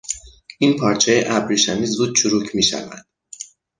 این پارچهی ابریشمی زود چروک میشود.